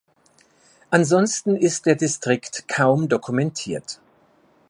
Ansonsten ist der Distrikt kaum dokumentiert.